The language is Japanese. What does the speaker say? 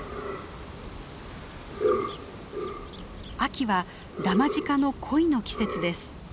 秋はダマジカの恋の季節です。